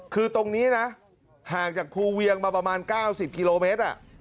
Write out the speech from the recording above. คือตรงนี้นะห่างจากภูเวียงมาประมาณ๙๐กิโลเมตร